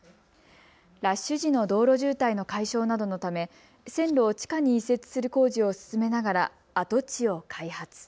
ラッシュ時の道路渋滞の解消などのため線路を地下に移設する工事を進めながら跡地を開発。